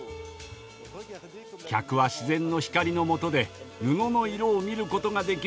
客は自然の光のもとで布の色を見ることができるようになりました。